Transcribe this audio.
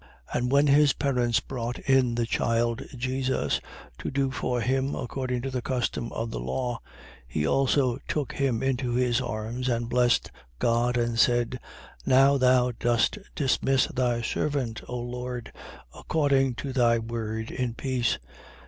And when his parents brought in the child Jesus, to do for him according to the custom of the law, 2:28. He also took him into his arms and blessed God and said 2:29. Now thou dost dismiss thy servant, O Lord, according to thy word in peace: 2:30.